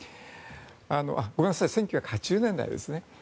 ごめんなさい１９８０年代ですね。